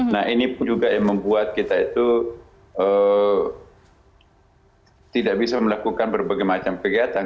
nah ini pun juga yang membuat kita itu tidak bisa melakukan berbagai macam kegiatan